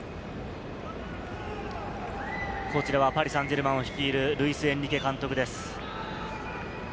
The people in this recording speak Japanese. こちらはパリ・サンジェルマンを率いるルイス・エンリケ監督です。